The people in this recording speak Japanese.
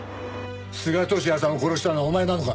須賀都志也さんを殺したのはお前なのか？